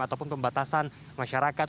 ataupun pembatasan masyarakat